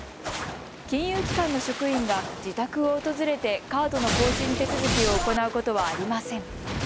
金融機関の職員が自宅を訪れてカードの更新手続きを行うことはありません。